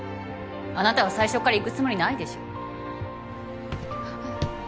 あなたは最初から行くつもりないでしょ？